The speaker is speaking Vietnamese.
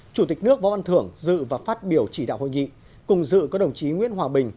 chủ tịch nước võ văn thưởng dự và phát biểu chỉ đạo hội nghị cùng dự có đồng chí nguyễn hòa bình